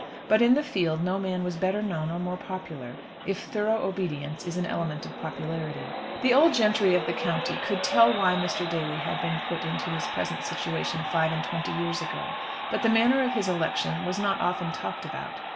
But in the field no man was better known, or more popular, if thorough obedience is an element of popularity. The old gentry of the county could tell why Mr. Daly had been put into his present situation five and twenty years ago; but the manner of his election was not often talked about.